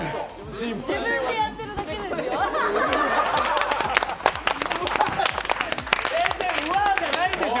自分でやってるだけですよ。